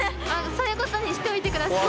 そういうことにしておいて下さい。